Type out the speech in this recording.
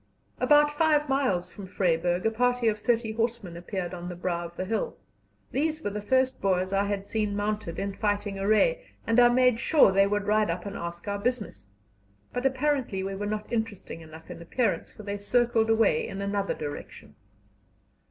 About five miles from Vryburg a party of thirty horsemen appeared on the brow of the hill; these were the first Boers I had seen mounted, in fighting array, and I made sure they would ride up and ask our business; but apparently we were not interesting enough in appearance, for they circled away in another direction.